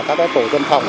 các tổ dân phòng